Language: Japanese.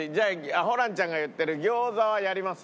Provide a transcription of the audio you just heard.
ホランちゃんが言ってる餃子はやります？